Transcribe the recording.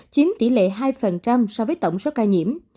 chiếm tỷ lệ hai so với tổng số ca nhiễm